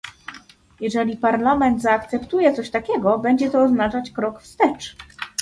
Jeżeli Parlament zaakceptuje coś takiego, będzie to oznaczać krok wstecz